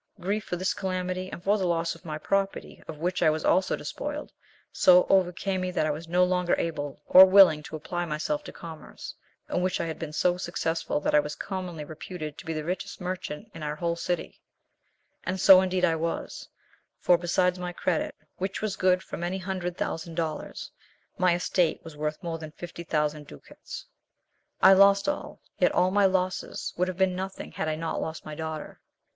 Grief for this calamity and for the loss of my property, of which I was also despoiled, so overcame me that I was no longer able or willing to apply myself to commerce, in which I had been so successful that I was commonly reputed to be the richest merchant in our whole city; and so indeed I was, for, besides my credit, which was good for many hundred thousand dollars, my estate was worth more than fifty thousand ducats. I lost all; yet all my losses would have been nothing had I not lost my daughter.